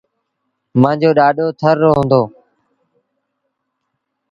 مآݩجو ڏآڏو ٿر رو هُݩدو۔